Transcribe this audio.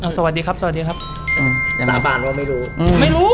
สวัสดีครับสวัสดีครับอื้อสาบานว่าไม่รู้อื้อไม่รู้